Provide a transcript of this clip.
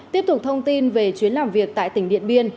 tiếp tục thông tin về chuyến làm việc tại tỉnh điện biên